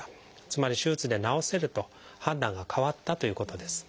つまり手術で治せると判断が変わったということです。